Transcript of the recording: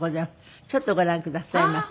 ちょっとご覧くださいませ。